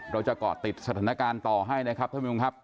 เราจะเกาะติดสถานการณ์ต่อให้นะครับท่านผู้ชมครับ